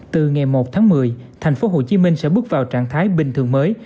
từ ngày một tháng một mươi thành phố hồ chí minh sẽ bước vào trạng thái bình thường mới